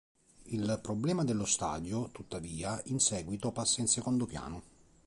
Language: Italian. Il problema dello stadio, tuttavia, in seguito passa in secondo piano.